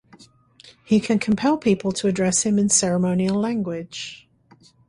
He can compel people to address him in ceremonial language.